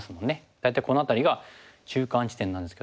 大体この辺りが中間地点なんですけども。